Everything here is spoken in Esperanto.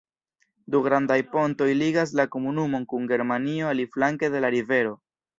Du grandaj pontoj ligas la komunumon kun Germanio aliflanke de la rivero.